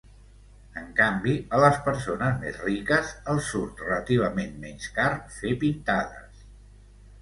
En canvi, a les persones més riques els surt relativament menys car fer pintades.